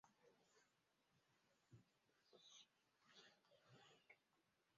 katika semina ya fursa kama mzungumzaji Maisha yangu ya shule nilikuwa